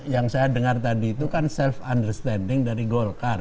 yang saya dengar tadi itu kan self understanding dari golkar